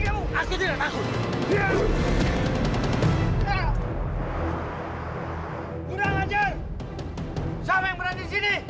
aku tidak mau